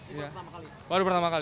ini baru pertama kali